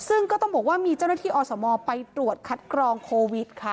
ซึ่งก็ต้องบอกว่ามีเจ้าหน้าที่อสมไปตรวจคัดกรองโควิดค่ะ